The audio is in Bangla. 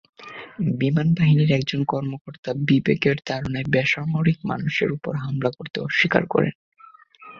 বিমানবাহিনীর একজন কর্মকর্তা বিবেকের তাড়নায় বেসামরিক মানুষের ওপর হামলা করতে অস্বীকার করেন।